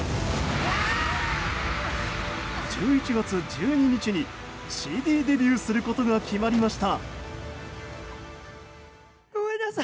１１月１２日にＣＤデビューすることが決まりました。